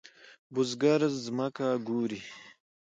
بزګر زمکه کوري.